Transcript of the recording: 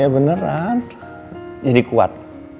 beneran jadi kuat